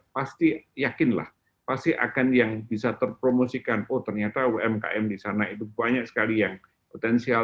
pasti yakinlah pasti akan yang bisa terpromosikan oh ternyata umkm di sana itu banyak sekali yang potensial